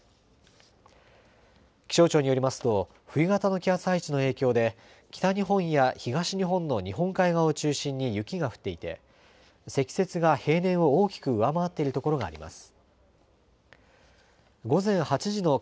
気象庁によりますと冬型の気圧配置の影響で北日本や東日本の日本海側を中心に雪が降っていて積雪が平年を大きく上回っているところがあります。